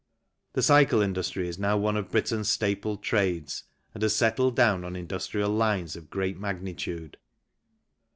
The cycle industry is now one of Britain's staple trades, and has settled down on industrial lines of great magnitude.